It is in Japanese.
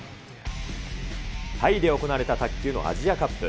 タイで行われた卓球のアジアカップ。